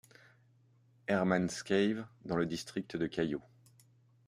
Herman’s Cave dans le district de Cayo.